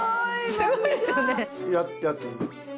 すごいですよね。